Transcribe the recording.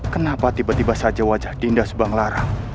kenapa tiba tiba saja wajah dinda subang lara